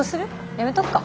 やめとくか。